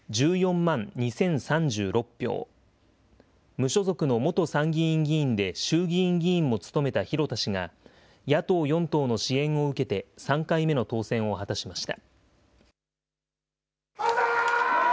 無所属の元参議院議員で衆議院議員も務めた広田氏が、野党４党の支援を受けて、３回目の当選を果たしました。